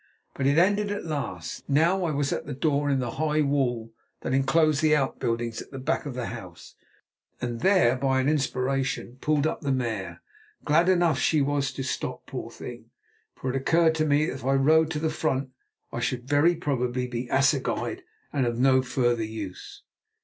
But it ended at last. Now I was at the door in the high wall that enclosed the outbuildings at the back of the house, and there, by an inspiration, pulled up the mare—glad enough she was to stop, poor thing—for it occurred to me that if I rode to the front I should very probably be assegaied and of no further use.